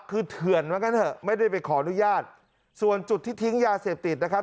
คือเถื่อนว่างั้นเถอะไม่ได้ไปขออนุญาตส่วนจุดที่ทิ้งยาเสพติดนะครับ